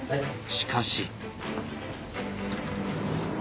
しかし。